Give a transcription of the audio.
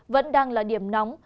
vẫn đang là điểm nóng